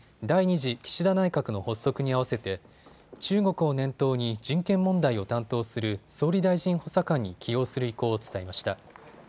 次岸田内閣の発足に合わせて中国を念頭に人権問題を担当する総理大臣補佐官に起用する意向を伝えました。